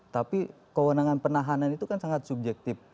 tapi kewenangan penahanan itu kan sangat subjektif